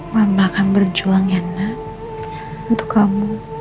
mama akan berjuang yana untuk kamu